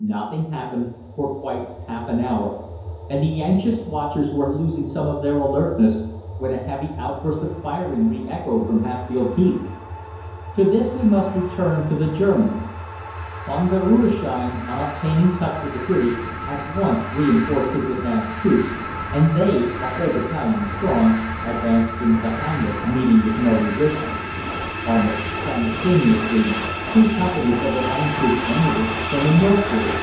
Nothing happened for quite half an hour, and the anxious watchers were losing some of their alertness, when a heavy outburst of firing re echoed from Hatfield Heath. To explain this we must return to the Germans. Von der Rudesheim, on obtaining touch with the British, at once reinforced his advanced troops, and they, a whole battalion strong, advanced into the hamlet meeting with no resistance. Almost simultaneously two companies of the Leinsters entered it from the northward.